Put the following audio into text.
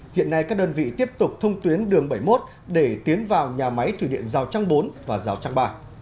hiện nay các đơn vị tiếp tục thông tuyến đường bảy mươi một để tiến vào nhà máy thủy điện giao trang bốn và rào trang ba